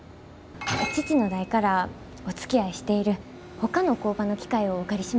父の代からおつきあいしているほかの工場の機械をお借りしました。